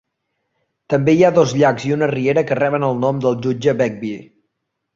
També hi ha dos llacs i una riera que reben el nom del jutge Begbie.